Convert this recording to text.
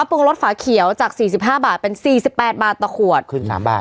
ปรุงรสฝาเขียวจากสี่สิบห้าบาทเป็นสี่สิบแปดบาทต่อขวดขึ้น๓บาท